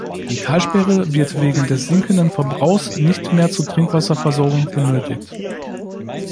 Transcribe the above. Die Talsperre wird wegen des sinkenden Verbrauchs nicht mehr zur Trinkwasserversorgung benötigt.